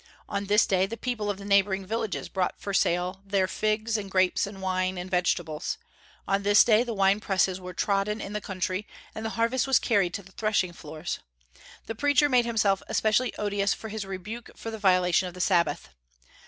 On this day the people of the neighboring villages brought for sale their figs and grapes and wine and vegetables; on this day the wine presses were trodden in the country, and the harvest was carried to the threshing floors. The preacher made himself especially odious for his rebuke for the violation of the Sabbath.